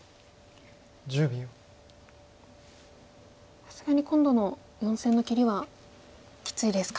さすがに今度の４線の切りはきついですか。